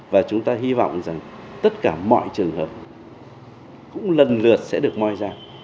và chúng ta hy vọng rằng tất cả mọi trường hợp cũng lần lượt sẽ được moi ra